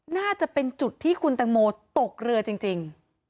น่าจะเป็นจุดที่คุณตังโมตกเรือจริง